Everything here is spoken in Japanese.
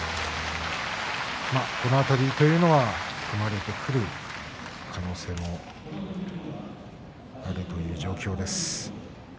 この辺りというのは組まれてくる可能性もあります。